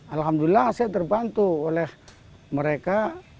alhamdulillah saya terbantu oleh mereka